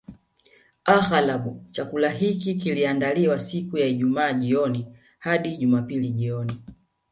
Aghalabu chakula hiki kiliandaliwa siku ya Ijumaa jioni hadi Jumapili jioni